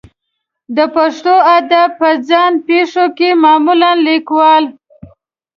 د پښتو ادب په ځان پېښو کې معمولا لیکوال